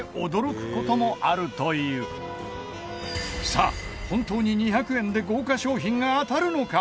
さあ本当に２００円で豪華賞品が当たるのか？